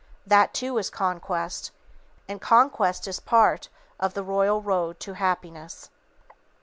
That too is Conquest. And Conquest is part of the royal road to Happiness.